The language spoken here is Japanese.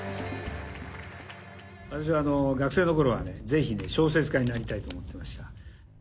私は学生のころはね、ぜひ小説家になりたいと思っておりました。